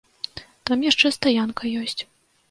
Там яшчэ стаянка ёсць.